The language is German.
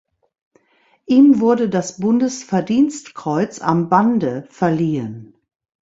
Ihm wurde das Bundesverdienstkreuz am Bande verliehen.